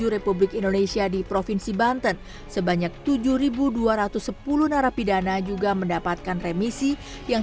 republik indonesia di provinsi banten sebanyak tujuh ribu dua ratus sepuluh narapidana juga mendapatkan remisi yang